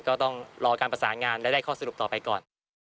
ก็ต้องรอการประสานงานและได้ข้อสรุปต่อไปก่อน